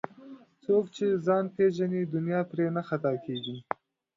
څوک چې ځان پیژني دنیا پرې نه خطا کېږي